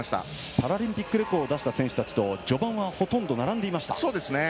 パラリンピックレコードを出した選手たちと序盤は並んでいました。